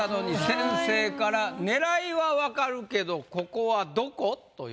先生から「狙いはわかるけどここはどこ？」ということ。